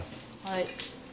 はい。